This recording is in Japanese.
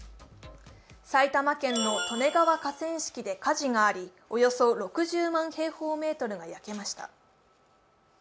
埼玉県の利根川河川敷で火事があり、およそ６０万平方メートルが焼けました。